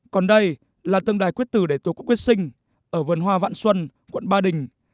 còn đây là tượng đài quyết tử để tổ quốc quyết sinh ở vườn hoa vạn xuân quận ba đình